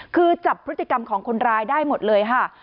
คือจับพฤติกรรมของคนร้ายได้หมดเลยค่ะ